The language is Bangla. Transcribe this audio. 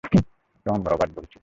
টম, রবার্ট বলছি।